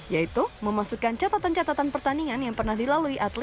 yaitu memasukkan catatan catatan pertandingan yang pernah dilalui atlet